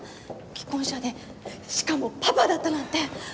既婚者でしかもパパだったなんて！